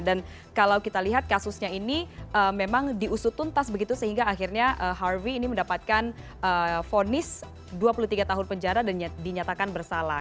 dan kalau kita lihat kasusnya ini memang diusutun tas begitu sehingga akhirnya harvey ini mendapatkan vonis dua puluh tiga tahun penjara dan dinyatakan bersalah